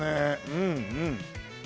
うんうん。